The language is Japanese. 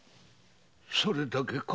それだけか？